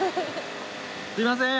すいません。